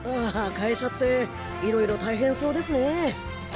会社っていろいろ大変そうですねえ。